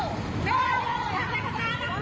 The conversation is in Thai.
ก็ไม่มีคนเข้ามาไม่มีคนเข้ามา